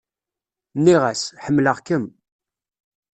Nniɣ-as: Ḥemmleɣ-kem.